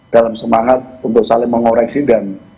dalam semangat untuk saling mengoreksi dan